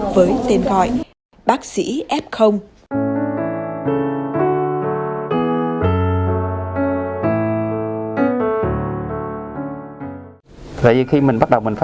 với tên gọi bác sĩ f